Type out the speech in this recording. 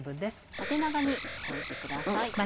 縦長に置いてください。